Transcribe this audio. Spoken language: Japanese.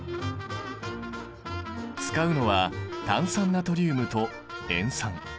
使うのは炭酸ナトリウムと塩酸。